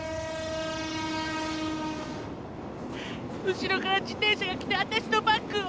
後ろから自転車が来てあたしのバッグを。